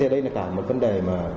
đây là cả một vấn đề